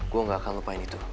gue gak akan lupain itu